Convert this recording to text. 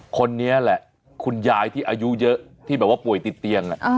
คนนี้แหละคุณยายที่อายุเยอะที่แบบว่าป่วยติดเตียง